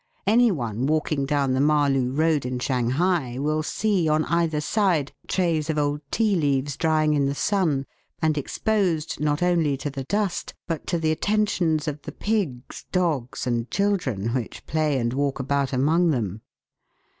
Any one walking down the Mahloo road in Shanghai will see, on either side, trays of old tea leaves drying in the sun, and exposed, not only to the dust, but to the attentions ot the pigs, dogs, and children, which play and walk about among them.